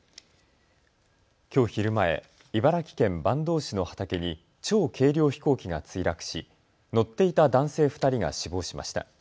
きょう昼前、茨城県坂東市の畑に超軽量飛行機が墜落し乗っていた男性２人が死亡しました。